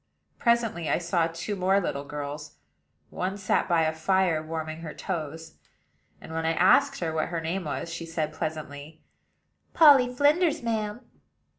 Presently I saw two more little girls: one sat by a fire warming her toes; and, when I asked what her name was, she said pleasantly: "Polly Flinders, ma'am."